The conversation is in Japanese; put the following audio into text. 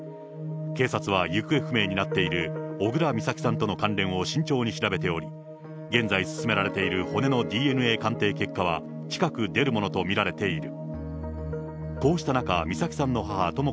警察は行方不明になっている小倉美咲さんとの関連を慎重に調べており、現在、進められている骨のＤＮＡ鑑定結果は、近く出るものと見られている。